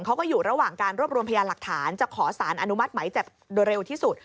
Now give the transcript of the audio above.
เขาก็อยู่ระหว่างการรวบรวมพยานหลักฐานจะขอสารอนุมัติไหมจับโดยเร็วที่สุด